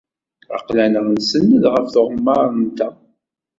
Aql-aneɣ nsenned ɣef tɣemmar-nteɣ.